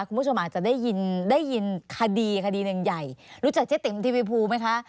คุณผู้ชมอาจจะได้ยินคดีคดีหนึ่งใหญ่รู้จักเจ๊ติมทิวีฟลูมั้ยคะ